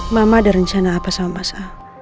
mama ada rencana apa sama masa